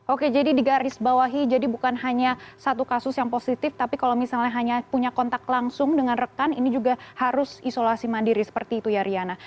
oke jadi di garis bawahi jadi bukan hanya satu kasus yang positif tapi kalau misalnya hanya punya kontak langsung dengan rekan ini juga harus isolasi mandiri seperti itu ya riana